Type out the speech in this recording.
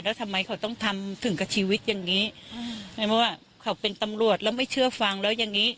แล้วทำไมต้องทำถึงกับชีวิตแบบเนี่ยไอเนาะโรอดก็เป็นตำรวจก็ไม่อย่างงี้